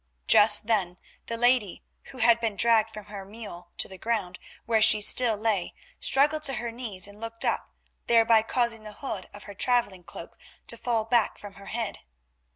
Just then the lady, who had been dragged from the mule to the ground, where she still lay, struggled to her knees and looked up, thereby causing the hood of her travelling cloak to fall back from her head.